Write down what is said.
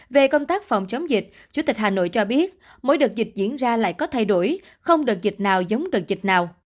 về công tác phòng chống dịch chủ tịch hà nội cho biết mỗi đợt dịch diễn ra lại có thay đổi không đợt dịch nào giống đợt dịch nào